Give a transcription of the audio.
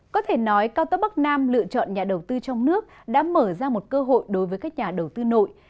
có thể nói cao tốc bắc nam lựa chọn nhà đầu tư trong nước đã mở ra một cơ hội đối với các nhà đầu tư nội